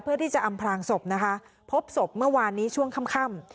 ที่จะอำพลางศพนะคะพบศพเมื่อวานนี้ช่วงค่ำ